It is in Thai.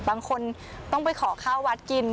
บางคนต้องไปขอข้าววัดกิน